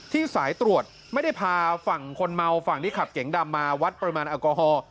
สายตรวจไม่ได้พาฝั่งคนเมาฝั่งที่ขับเก๋งดำมาวัดปริมาณแอลกอฮอล์